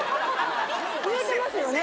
植えてますよね？